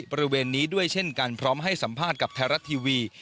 บริเวณนี้ด้วยเช่นกันพร้อมให้สัมภาษณ์กับไทยรัฐทีวี